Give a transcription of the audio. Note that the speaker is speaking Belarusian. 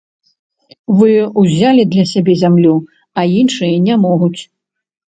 Вы ўзялі для сябе зямлю, а іншыя не могуць.